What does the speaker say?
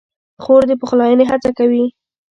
خور د پخلاینې هڅه کوي.